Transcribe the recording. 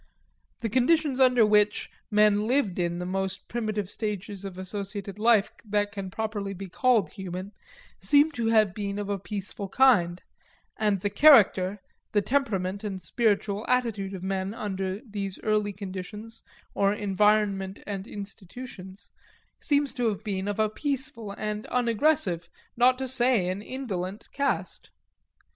The conditions under which men lived in the most primitive stages of associated life that can properly be called human, seem to have been of a peaceful kind; and the character the temperament and spiritual attitude of men under these early conditions or environment and institutions seems to have been of a peaceful and unaggressive, not to say an indolent, cast.